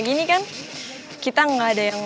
gini kan kita nggak ada yang